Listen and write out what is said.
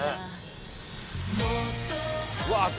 うわっ